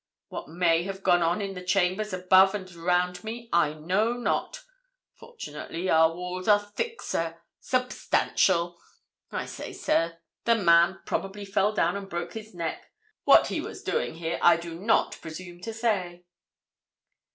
What may have gone on in the chambers above and around me I know not! Fortunately, our walls are thick, sir—substantial. I say, sir, the man probably fell down and broke his neck. What he was doing here, I do not presume to say."